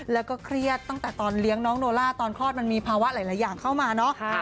แล้วก็เครียดตั้งแต่ตอนเลี้ยงน้องโนล่าตอนคลอดมันมีภาวะหลายอย่างเข้ามาเนอะ